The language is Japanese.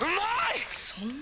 そんなに！？